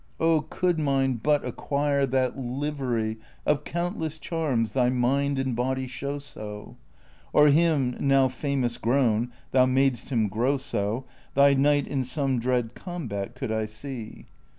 Oh, could mine but acquire that livery Of countless charms thy mind and body show so ! Or him, now famous grown — thou mad'st him grow so — Thy knight, in some dread combat could I see